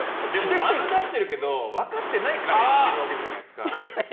○、出してるけど分かってないからやってるわけじゃないですか。